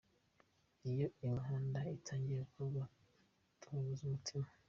Iyo imihanda itangiye gukorwa tubunza umutima.